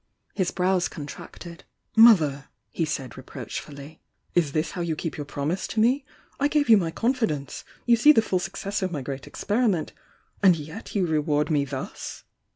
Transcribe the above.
His brows contracted. "Mother," he said reproachfully, "is this how you keep your promise to me? I gave you my confi dence—you see the full success of my great experi ment—and yet you reward me thus?"